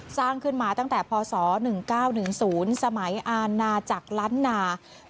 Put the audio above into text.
สร้างขึ้นมาตั้งแต่พศ๑๙๑๐สมัยอาณาจักรล้านนา